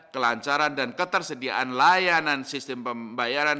kelancaran dan ketersediaan layanan sistem pembayaran